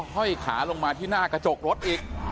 ห้อยขาลงมาที่หน้ากระจกรถอีก